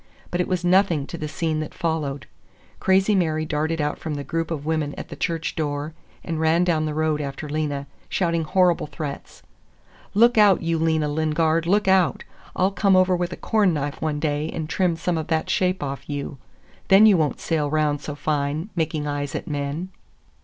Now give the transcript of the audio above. But it was nothing to the scene that followed. Crazy Mary darted out from the group of women at the church door, and ran down the road after Lena, shouting horrible threats. "Look out, you Lena Lingard, look out! I'll come over with a corn knife one day and trim some of that shape off you. Then you won't sail round so fine, making eyes at the men!